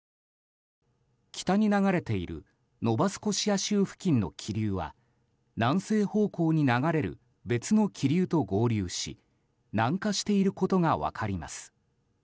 北に流れているノバスコシア州付近の気流は南西方向に流れる別の気流と合流し南下していることが分かります。